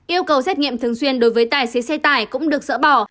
yêu cầu xét nghiệm thường xuyên đối với tài xế xe tải cũng được dỡ bỏ